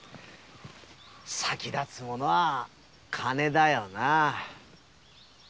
先立つものは金だよなぁ。